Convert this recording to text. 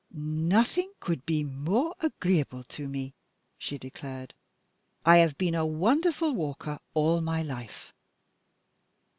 "Nothing could be more agreeable to me," she declared; "I have been a wonderful walker all my life."